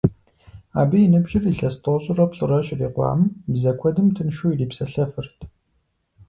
Абы и ныбжьыр илъэс тӀощӀрэ плӀырэ щрикъуам, бзэ куэдым тыншу ирипсэлъэфырт.